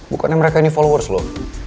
bukannya mereka ini followers loh